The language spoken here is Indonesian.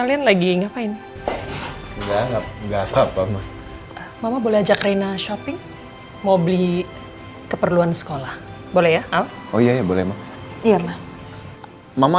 yang penting kan udah ketemu